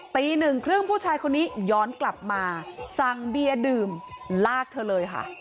ตีหนึ่งครึ่งผู้ชายคนนี้ย้อนกลับมาสั่งเบียร์ดื่มลากเธอเลยค่ะ